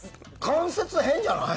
関節、変じゃない？